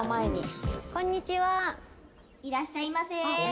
いらっしゃいませー。